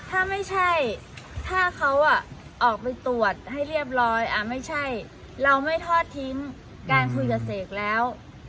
ถ้าไม่ใช่ถ้าเขาออกไปตรวจให้เรียบร้อยไม่ใช่เราไม่ทอดทิ้งการคุยกับเสกแล้ว